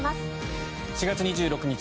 ４月２６日